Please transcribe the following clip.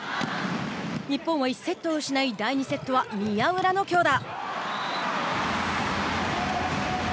日本は１セットを失い第２セットは宮浦の強打。